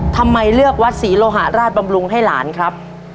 ทำไมเลือกวัดศรีโลหะราชบำรุงให้หลานครับ